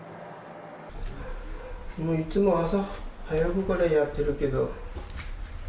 いつも朝早くからやってるけ